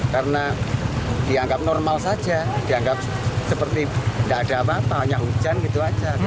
karena dianggap normal saja dianggap seperti nggak ada apa apa hanya hujan gitu aja